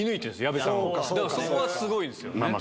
そこはすごいですよね。